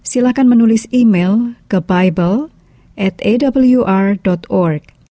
silakan menulis email ke bible at awr org